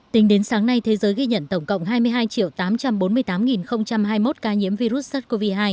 tính đến sáng nay thế giới ghi nhận tổng cộng hai mươi hai tám trăm bốn mươi tám hai mươi một ca nhiễm virus sars cov hai